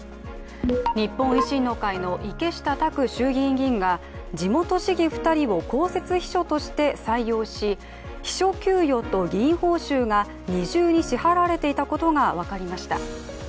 日本維新の会の池下卓衆議院議員が地元市議２人を公設秘書として採用し秘書給与と議員報酬が二重に支払われていたことが分かりました。